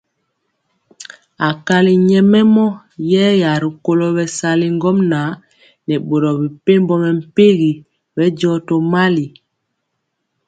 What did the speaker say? Akali nyɛmemɔ yeya rikolo bɛsali ŋgomnaŋ nɛ boro mepempɔ mɛmpegi bɛndiɔ tomali.